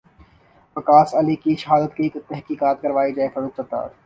وقاص علی کی شہادت کی تحقیقات کروائی جائے فاروق ستار